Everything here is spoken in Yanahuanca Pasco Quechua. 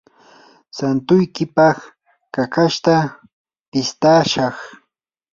santuykipaq kakashta pistashaq.